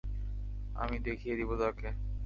আমি দেখিয়ে দিব তাকে।